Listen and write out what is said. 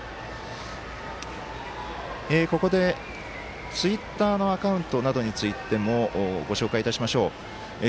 ここで、ツイッターのアカウントなどについてもご紹介いたしましょう。